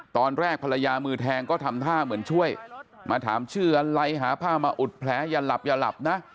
ตอนแรกภรรยามือแทงก็ทำท่าเหมือนช่วยมาถามชื่ออะไรหาผ้ามาอุดแผลอย่าหลับอย่าหลับนะ